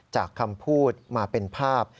จากคำพูดมาเป็นภาพ